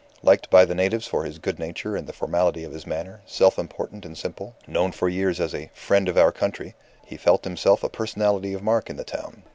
Liked by the natives for his good nature and the formality of his manner, self important and simple, known for years as a "friend of our country," he felt himself a personality of mark in the town.